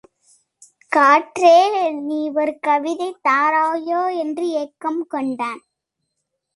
காற்றே நீ ஒரு கவிதை தாராயோ என்று ஏக்கம் கொண்டான்.